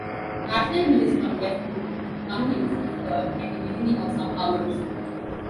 National news from Westwood One News is heard at the beginning of some hours.